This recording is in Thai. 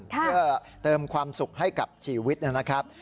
เพื่อเติมความสุขให้กับชีวิตนะครับ